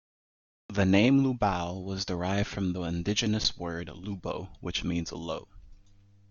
The name Lubao was derived from the indigenous word "lubo" which means low.